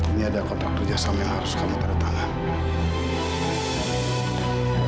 ini ada kontrak kerjasama yang harus kamu terletakkan